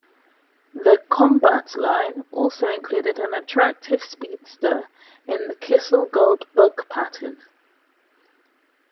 The "Combat" line also included an attractive speedster in the Kissel Gold Bug pattern.